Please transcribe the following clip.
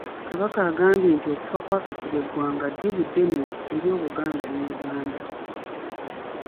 Kabaka agambye nti okufa kwa Kasirye Ggwanga ddibu ddene eri Obuganda ne Uganda.